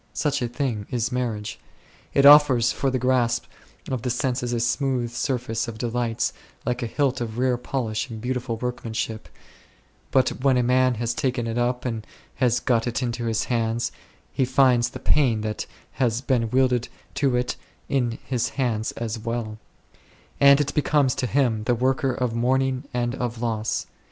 Such a thing is marriage. It offers for the grasp of the senses a smooth surface of delights, like a hilt of rare polish and beautiful workmanship ; but when a man has taken it up and has got it into his hands, he finds the pain that has been wedded to it is in his hands as well ; and it becomes to him the worker of mourning and of loss.